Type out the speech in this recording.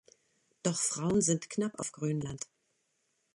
Doch Frauen sind knapp auf Grönland.